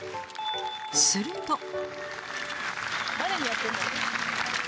すると。